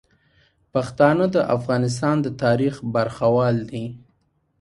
پښتانه د افغانستان د تاریخ برخوال دي.